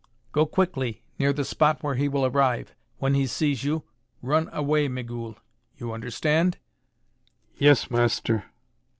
"Go quickly, near the spot where he will arrive. When he sees you, run away, Migul. You understand?" "Yes, Master."